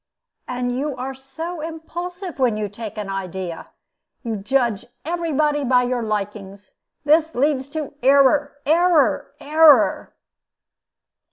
And you are so impulsive when you take an idea! You judge every body by your likings. That leads to error, error, error."